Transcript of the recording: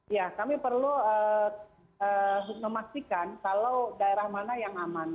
ya kami perlu memastikan kalau daerah mana yang aman